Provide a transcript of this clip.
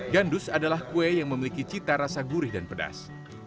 gandus adalah kue yang memiliki cita rasa gurih dan pedas